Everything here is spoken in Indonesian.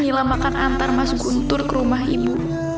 nila makan antar mas guntur ke rumah ibu